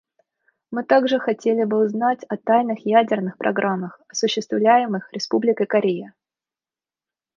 Мы также хотели бы узнать о тайных ядерных программах, осуществляемых Республикой Корея.